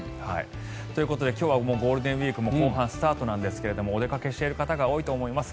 ということで今日はゴールデンウィークも後半スタートなんですがお出かけしている方が多いと思います。